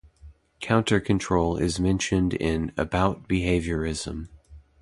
Countercontrol is mentioned in "About Behaviorism".